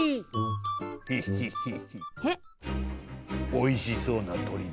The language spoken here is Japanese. おいしそうなとりだ。